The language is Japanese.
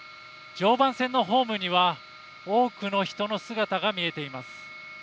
常磐線のホームには多くの人の姿が見えています。